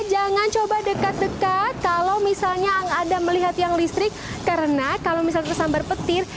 jangan coba dekat dekat kalau misalnya anda melihat tiang listrik karena kalau misalnya tersambar petir